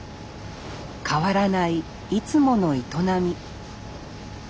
変わらないいつもの営み。